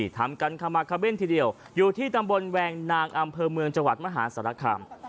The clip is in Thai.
ทำกันขมาคเบ้นทีเดียวอยู่ที่ตำบลแวงนางอำเภอเมืองจังหวัดมหาศาลคาม